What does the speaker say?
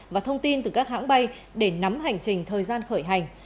và thông tin từ các hãng bay để nắm hành trình thời gian khởi hành